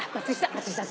松居さん